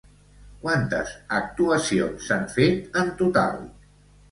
Quantes actuacions s'han fet en total?